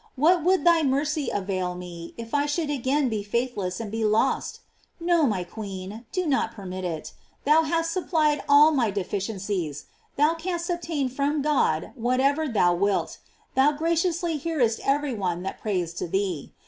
What would thy mercy avail me if I should again be faithless and be lost? Ko, my queen, do not permit it. Thou hast supplied all my deficiencies; thou canst obtain from God what ever thou wilt; thou graciously nearest every one that prays to thee.